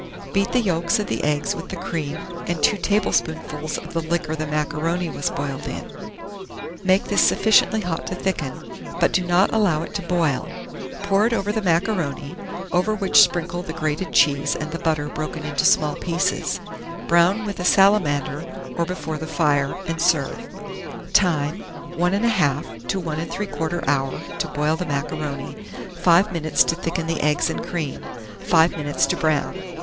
Beat the yolks of the eggs with the cream and 2 tablespoonfuls of the liquor the macaroni was boiled in; make this sufficiently hot to thicken, but do not allow it to boil; pour it over the macaroni, over which sprinkle the grated cheese and the butter broken into small pieces; brown with a salamander, or before the fire, and serve. Time. 1 1/2 to 1 3/4 hour to boil the macaroni, 5 minutes to thicken the eggs and cream, 5 minutes to brown.